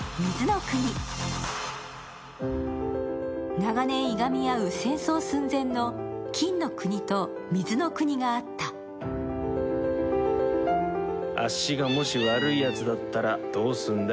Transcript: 長年いがみ合う戦争寸前の金の国と水の国があったあっしがもし悪いヤツだったらどうすんだい？